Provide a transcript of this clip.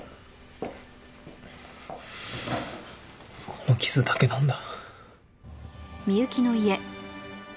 この傷だけなんだ。